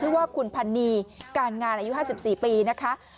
ลูกสาวของใยสิงห์ชื่อว่าคุณพันนีย์การงานอายุ๕๔ปีนะคะ